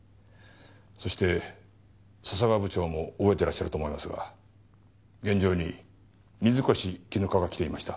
そして笹川部長も覚えてらっしゃると思いますが現場に水越絹香が来ていました。